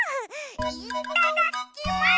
いっただきます！